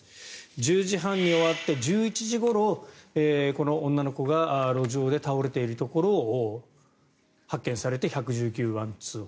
１０時半に終わって１１時ごろ、この女の子が路上で倒れているところを発見されて１１９番通報。